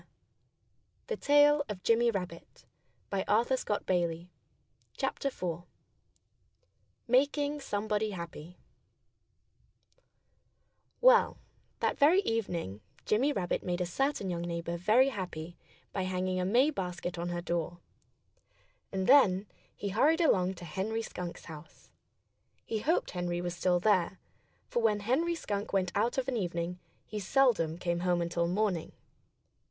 [Illustration: 4 Making Somebody Happy] 4 Making Somebody Happy Well, that very evening Jimmy Rabbit made a certain young neighbor very happy by hanging a May basket on her door. And then he hurried along to Henry Skunk's house. He hoped Henry was still there; for when Henry Skunk went out of an evening he seldom came home until morning.